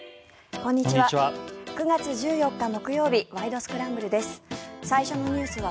こんにちは。